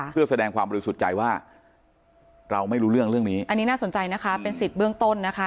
เพื่อแสดงความบริสุทธิ์ใจว่าเราไม่รู้เรื่องเรื่องนี้อันนี้น่าสนใจนะคะเป็นสิทธิ์เบื้องต้นนะคะ